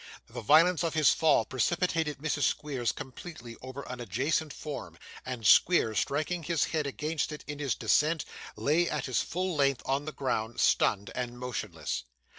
The violence of his fall precipitated Mrs. Squeers completely over an adjacent form; and Squeers striking his head against it in his descent, lay at his full length on the ground, stunned and motionless.